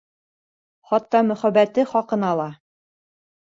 Хатта мөхәббәте хаҡына ла.